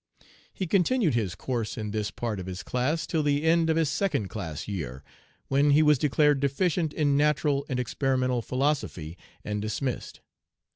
He continued his course in this part of his class till the end of his second class year, when he was declared deficient in natural and experimental philosophy, and dismissed.